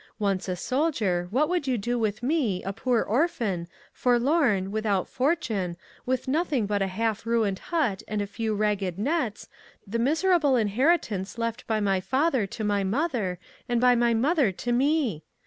Once a soldier, what would you do with me, a poor orphan, forlorn, without fortune, with nothing but a half ruined hut and a few ragged nets, the miserable inheritance left by my father to my mother, and by my mother to me?